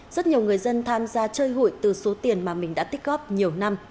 rất nhiều người dân tham gia chơi hụi từ số tiền mà mình đã tích góp nhiều năm